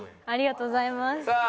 ありがとうございます。